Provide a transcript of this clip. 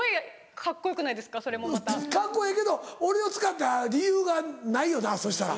カッコええけど俺を使った理由がないよなそしたら。